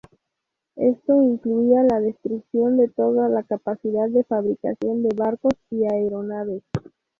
Esto incluía la destrucción de toda la capacidad de fabricación de barcos y aeronaves.